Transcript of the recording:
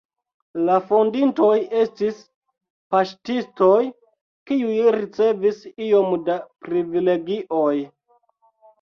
La fondintoj estis paŝtistoj, kiuj ricevis iom da privilegioj.